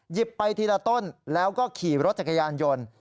ไปทีละต้นแล้วก็ขี่รถจักรยานยนต์